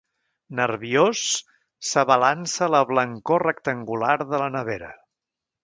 Nerviós, s'abalança a la blancor rectangular de la nevera.